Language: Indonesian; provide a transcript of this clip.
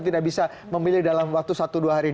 tidak bisa memilih dalam waktu satu dua hari ini